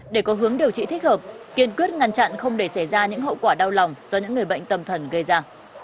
để có hướng điều trị thích hợp kiên quyết ngăn chặn không để xảy ra những hậu quả đau lòng do những người bệnh tâm thần gây ra